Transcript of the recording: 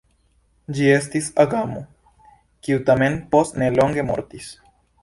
Ĝi estis agamo, kiu tamen post nelonge mortis.